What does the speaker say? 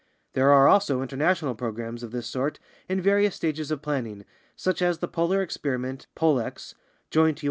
There are also international programs of this sort in various stages of planning, such as the Polar Experiment (polex) (Joint U.